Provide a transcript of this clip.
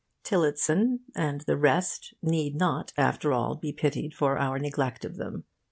Tillotson and the rest need not, after all, be pitied for our neglect of them.